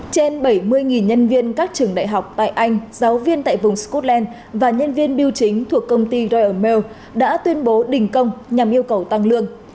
trên bảy mươi nhân viên các trường đại học tại anh giáo viên tại vùng scotland và nhân viên biêu chính thuộc công ty ryanme đã tuyên bố đình công nhằm yêu cầu tăng lương